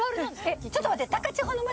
ちょっと待って。